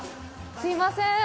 すいません。